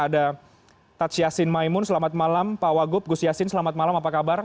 ada tatsyasin maimun selamat malam pak wagup gus yassin selamat malam apa kabar